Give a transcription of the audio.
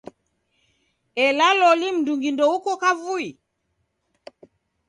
Ela loli mndungi ndeuko kavui?